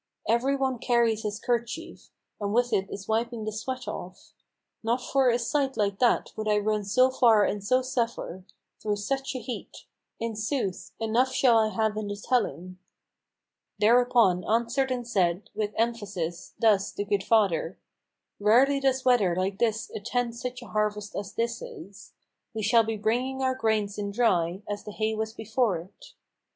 Every one carries his kerchief, and with it is wiping the sweat off. Not for a sight like that would I run so far and so suffer, Through such a heat; in sooth, enough shall I have in the telling." Thereupon answered and said, with emphasis, thus, the good father: "Rarely does weather like this attend such a harvest as this is. We shall be bringing our grain in dry, as the hay was before it.